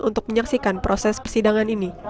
untuk menyaksikan proses persidangan ini